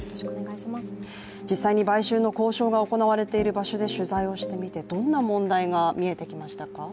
実際に売春の交渉が行われている場所で取材してみてどんな問題が見えてきましたか？